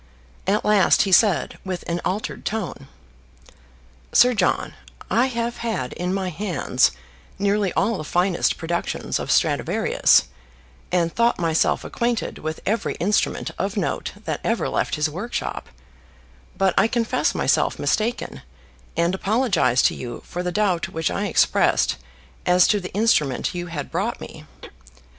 At last he said with an altered tone, "Sir John, I have had in my hands nearly all the finest productions of Stradivarius, and thought myself acquainted with every instrument of note that ever left his workshop; but I confess myself mistaken, and apologise to you for the doubt which I expressed as to the instrument you had brought me.